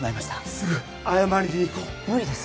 すぐ謝りに行こう無理です